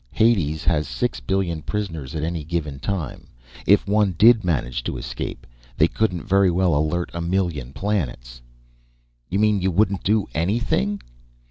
"Hades has six billion prisoners at any given time. If one did manage to escape, they couldn't very well alert a million planets." "You mean you wouldn't do anything?"